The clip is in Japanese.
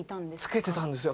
着けてたんですよ。